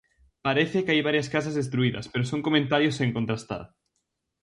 Parece que hai varias casas destruídas, pero son comentarios sen contrastar.